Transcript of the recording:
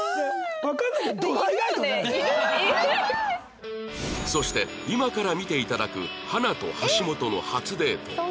わかんないけどそして今から見ていただく花と橋本の初デート